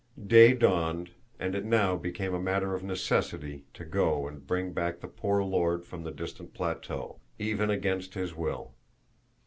Day dawned, and it now became a matter of necessity to go and bring back the poor Lord from the distant plateau, even against his will.